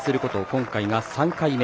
今回が３回目。